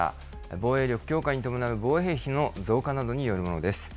防衛力強化に伴う防衛費の増加などによるものです。